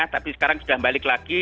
tapi sekarang sudah balik lagi